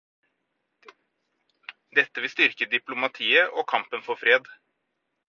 Dette vil styrke diplomatiet og kampen for fred.